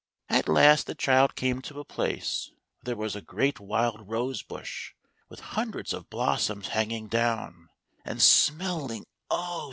At last the child came to a place where there was a great wild rose bush, with hundreds of blossoms hanging down, and smelling, oh